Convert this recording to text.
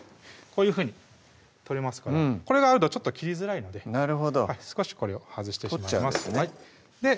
こういうふうに取れますからこれがあると切りづらいのでなるほど少しこれを外してしまいます取っちゃうんですね